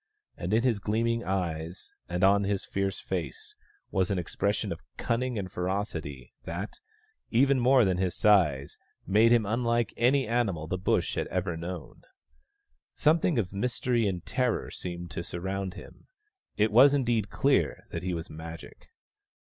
And in his gleaming eyes, and on his fierce face, was an expression of cunning and ferocity that, even more than his size, made him unlike any animal the Bush had ever known. Something of mystery and terror seemed to surround him ; it was indeed clear that he was Magic.